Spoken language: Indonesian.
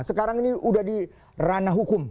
sekarang ini sudah dirana hukum